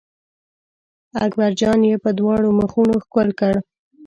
اکبر جان یې په دواړو مخونو ښکل کړ.